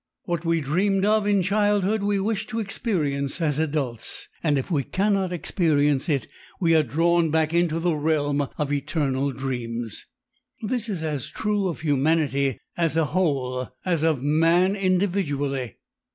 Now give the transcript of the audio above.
What we dreamed of in childhood we wish to experience as adults. And if we cannot experience it we are drawn back into the realm of eternal dreams. This is as true of humanity as a whole as of man individually.